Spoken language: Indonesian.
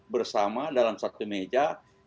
bersama dalam satu meja